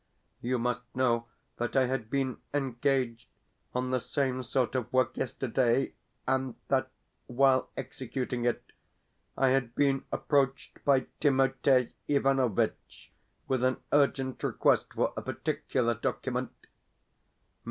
You must know that I had been engaged on the same sort of work yesterday, and that, while executing it, I had been approached by Timothei Ivanovitch with an urgent request for a particular document.